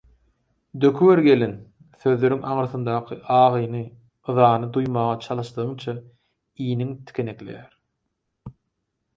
«Döküber gelin...» sözleriň aňyrsyndaky agyny, yzany duýmaga çalyşdygyňça iniň tikenekleýär.